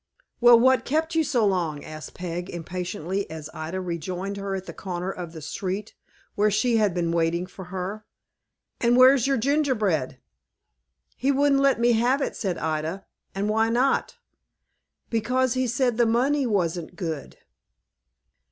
"WELL, what kept you so long?" asked Peg, impatiently, as Ida rejoined her at the corner of the street, where she had been waiting for her. "And where's your gingerbread?" "He wouldn't let me have it," said Ida. "And why not?" "Because he said the money wasn't good."